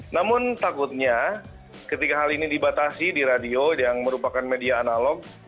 namun takutnya ketika hal ini dibatasi di radio yang merupakan media analog